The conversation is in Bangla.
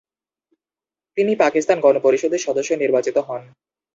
তিনি পাকিস্তান গণপরিষদের সদস্য নির্বাচিত হন।